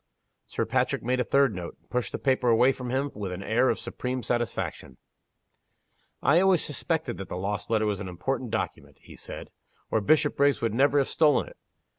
Sir Patrick made a third note, and pushed the paper away from him with an air of supreme satisfaction. "I always suspected that lost letter to be an important document," he said "or Bishopriggs would never have stolen it.